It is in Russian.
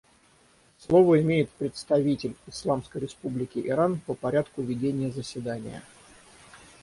Слово имеет представитель Исламской Республики Иран по порядку ведения заседания.